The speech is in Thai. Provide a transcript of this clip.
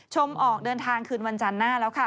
ออกเดินทางคืนวันจันทร์หน้าแล้วค่ะ